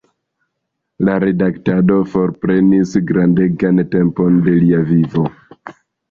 La redaktado forprenis grandegan tempon de lia vivo.